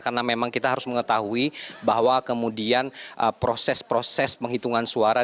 karena memang kita harus mengetahui bahwa kemudian proses proses penghitungan suara